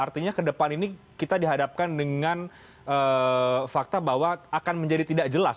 artinya ke depan ini kita dihadapkan dengan fakta bahwa akan menjadi tidak jelas